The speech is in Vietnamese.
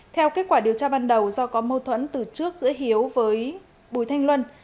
theo kết quả điều tra ban đầu do có mâu thuẫn từ trước giữa hiếu với bùi thanh luân